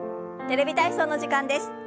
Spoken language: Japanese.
「テレビ体操」の時間です。